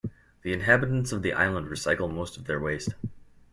The inhabitants of the island recycle most of their waste.